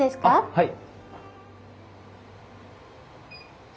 はい。